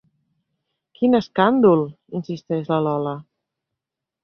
Quin escàndol, insisteix la Lola.